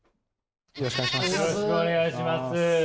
よろしくお願いします。